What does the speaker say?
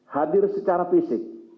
hadir secara fisik